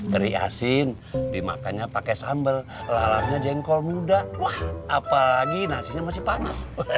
teri asin dimakannya pakai sambal lalatnya jengkol muda wah apalagi nasinya masih panas